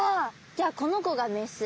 じゃあこの子がメス。